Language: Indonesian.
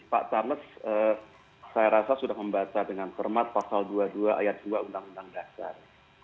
pak tarmes saya rasa sudah membaca dengan cermat pasal dua puluh dua ayat dua undang undang dasar